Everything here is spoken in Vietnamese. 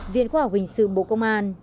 viện khóa hình sự bộ công an